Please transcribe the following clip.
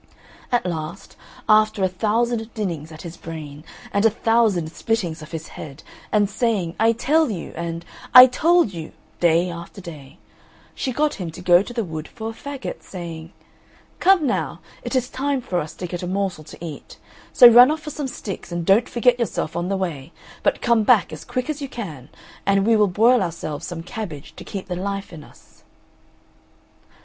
At last, after a thousand dinnings at his brain, and a thousand splittings of his head, and saying "I tell you" and "I told you" day after day, she got him to go to the wood for a faggot, saying, "Come now, it is time for us to get a morsel to eat, so run off for some sticks, and don't forget yourself on the way, but come back as quick as you can, and we will boil ourselves some cabbage, to keep the life in us."